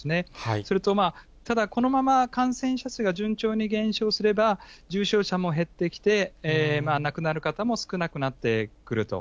それと、ただこのまま、感染者数が順調に減少すれば、重症者も減ってきて、亡くなる方も少なくなってくると。